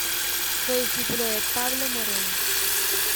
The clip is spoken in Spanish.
Fue discípulo de Pablo Moreno.